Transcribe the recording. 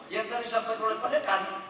yang dari saat terkulit pada kan